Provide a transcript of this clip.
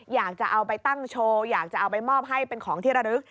อยากจะเอาไปตั้งโชว์อยากจะเอาไปมอบให้เป็นของที่ระลึก